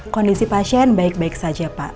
kondisi pasien baik baik saja pak